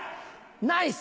ナイス！